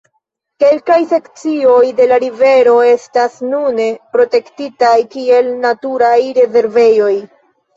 Kelkaj sekcioj de la rivero estas nune protektitaj kiel naturaj rezervejoj.